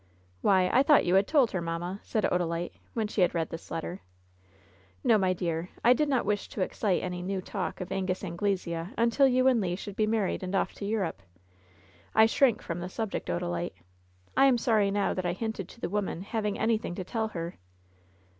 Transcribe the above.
"Why, I thought you had told her, mamma," said Odalite, when she had read this letter. "No, my dear. I did not wish to excite any new talk of Angus Anglesea imtil you and Le should be mar ried and off to Europe. I shrink from the subject, Oda lite. I am sorry now that I hinted to the womau hav ing anything to tell her.'